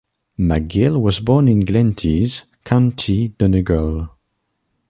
MacGill was born in Glenties, County Donegal.